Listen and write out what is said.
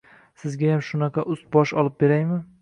Sizgayam shunaqa ust-bosh olib beraymi?